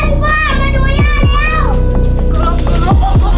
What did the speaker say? พี่เฮิิญฝากมาดูย่าแล้ว